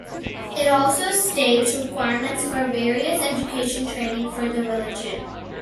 It also states requirements for various education training for the religion.